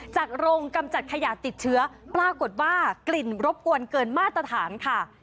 โรงกำจัดขยะติดเชื้อปรากฏว่ากลิ่นรบกวนเกินมาตรฐานค่ะ